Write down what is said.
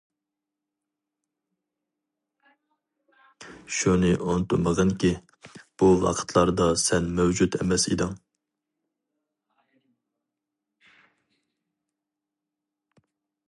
شۇنى ئۇنتۇمىغىنكى، بۇ ۋاقىتلاردا سەن مەۋجۇت ئەمەس ئىدىڭ!